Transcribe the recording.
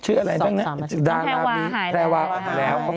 ชื่ออะไรอ่ะแม่งน่ะด่าระอีกทีเพื่อนถ้าหวาหายแล้วหวาหาย